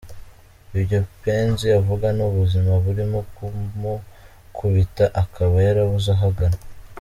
Ibyo Mpenzi avuga ni ubuzima burimo kumukubita akaba yarabuze aho agana.